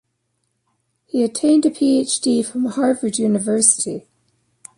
He attained a Ph.D from Harvard University.